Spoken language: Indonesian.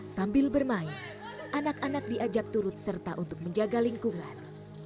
sambil bermain anak anak diajak turut serta untuk menjaga lingkungan